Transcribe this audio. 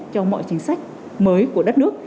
cho mọi chính sách mới của đất nước